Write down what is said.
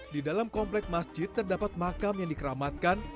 di dalam komplek masjid terdapat makam yang dikeramatkan